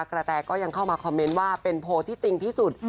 แตก็ยังเข้ามาคอมเมนต์ว่าเป็นโพลที่จริงที่สุด